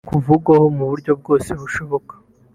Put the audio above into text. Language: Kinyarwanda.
kuvugwaho mu buryo bwose bushoboka